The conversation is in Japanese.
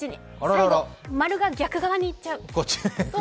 最後、丸が逆側に行っちゃう。